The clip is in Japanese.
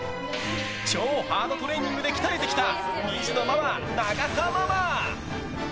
超ハードトレーニングで鍛えてきた２児のママ、永田ママ！